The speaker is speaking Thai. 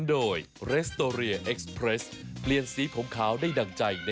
อยู่ด้วยกันจริงหรือเปล่าโอ้โฮเจนมันเคยจริง